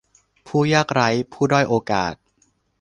ผู้ยากไร้ ผู้ด้อยโอกาส